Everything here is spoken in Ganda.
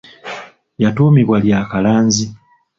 Yatuumibwa lya Kalanzi.